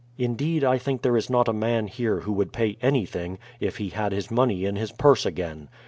Indeed, I think there is not a man here who would pay anything, if he had his money in his purse again.